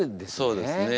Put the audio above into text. そうですね。